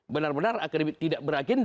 benar benar akademik tidak berakin